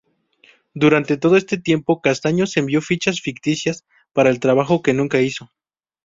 Durante todo este tiempo Castaños envió fichas ficticias, para el trabajo que nunca hizo.